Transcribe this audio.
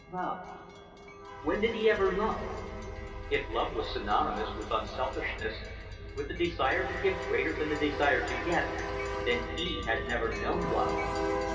Loved! When did he ever love? If love was synonymous with unselfishness, with the desire to give greater than the desire to get, then he had never known love.